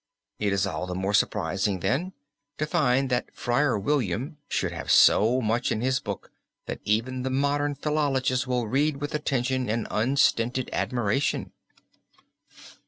It is all the more surprising then, to find that Friar William should have so much in his book that even the modern philologist will read with attention and unstinted admiration.